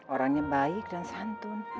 orangnya baik dan santun